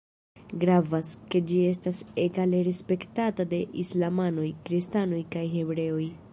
Gravas, ke ĝi estas egale respektata de islamanoj, kristanoj kaj hebreoj.